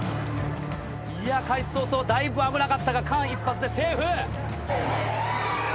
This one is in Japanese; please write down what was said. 開始早々だいぶ危なかったが間一髪でセーフ。